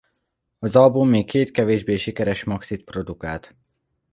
Az album még két kevésbé sikeres maxit produkált.